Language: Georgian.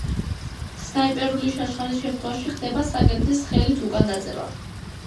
სნაიპერული შაშხანის შემთხვევაში ხდება საკეტის ხელით უკან დაწევა.